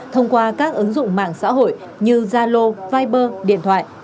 thông qua các ứng dụng mạng xã hội như zalo viber điện thoại